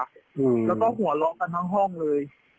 แล้วก็หัวเราะกันทั้งห้องเลย